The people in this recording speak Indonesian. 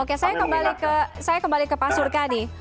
oke saya kembali ke pak sukani